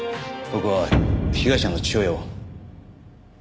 僕は被害者の父親を。